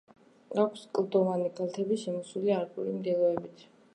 აქვს კლდოვანი კალთები, შემოსილია ალპური მდელოებით.